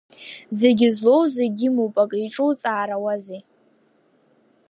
Зегьы злоу зегьы имоуп, акы иҿуҵаарауазеи.